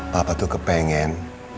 papa tuh kepengen